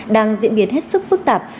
đang diễn biến hết sức phức tạp